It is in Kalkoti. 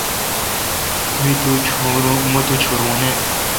مہ تو چورو نہ۔